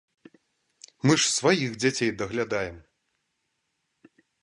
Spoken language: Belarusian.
Мы ж сваіх дзяцей даглядаем!